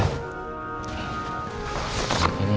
terima kasih ya